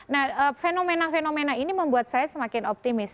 nah fenomena fenomena ini membuat saya semakin optimis